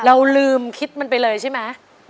เราลืมคิดมันไปเลยใช่ไหม